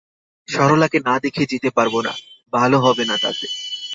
সরলাকে না দেখে যেতে পারব না, ভালো হবে না তাতে।